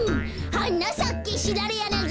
「はなさけシダレヤナギ」